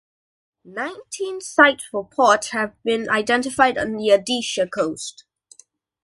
Nineteen sites for ports have been identified on the Odisha coast.